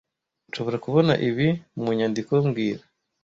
Nshobora kubona ibi mu nyandiko mbwira